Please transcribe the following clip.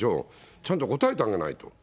ちゃんと答えてあげないと。